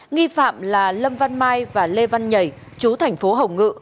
nghi phạm là lâm văn mai và lê văn nhảy chú thành phố hồng ngự